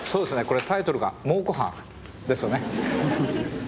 これタイトルが「蒙古斑」ですよね。